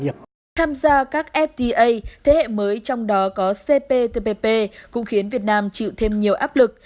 nghiệp tham gia các fda thế hệ mới trong đó có cptpp cũng khiến việt nam chịu thêm nhiều áp lực